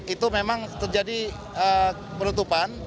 itu memang terjadi penutupan